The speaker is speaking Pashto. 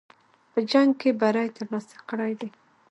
په جنګ کې بری ترلاسه کړی دی.